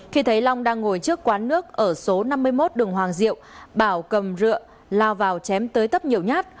khi thấy long đang ngồi trước quán nước ở số năm mươi một đường hoàng diệu bảo cầm rượu lao vào chém tới tấp nhiều nhát